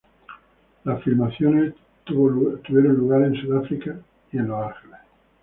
La filmación tuvo lugar en Sudáfrica y en Los Ángeles.